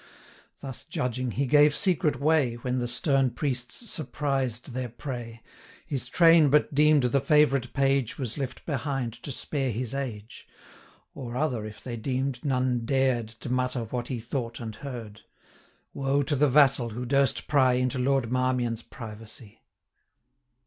Thus judging, he gave secret way, When the stern priests surprised their prey. His train but deem'd the favourite page Was left behind, to spare his age; 255 Or other if they deem'd, none dared To mutter what he thought and heard: Woe to the vassal, who durst pry Into Lord Marmion's privacy!